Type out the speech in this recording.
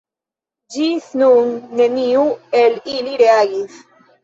Ĝis nun neniu el ili reagis.